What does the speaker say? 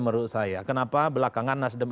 menurut saya kenapa belakangan nasdem